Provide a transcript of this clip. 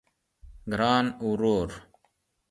ګران ورور